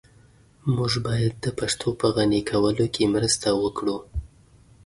موږ بايد د پښتو په غني کولو کي مرسته وکړو.